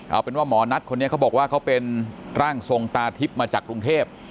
เอาเป็นว่าหมอนัทคนนี้เขาบอกว่าเขาเป็นร่างทรงตาทิพย์มาจากกรุงเทพ